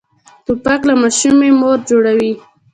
توپک له ماشومې مور جوړوي.